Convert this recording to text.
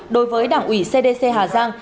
đối với đảng ủy cdc hà giang